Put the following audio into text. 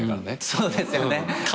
そうですよね。